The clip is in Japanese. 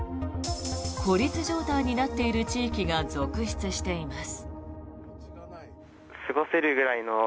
孤立状態になっている地域が続出しています。